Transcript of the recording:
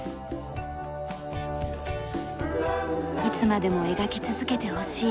いつまでも描き続けてほしい。